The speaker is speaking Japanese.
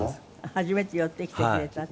「初めて寄ってきてくれた！！」っていって。